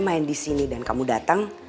main di sini dan kamu datang